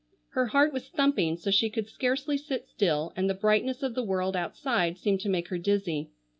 Her heart was thumping so she could scarcely sit still and the brightness of the world outside seemed to make her dizzy.